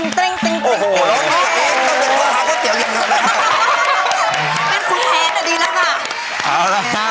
พ่มโผออกมาจากฉาก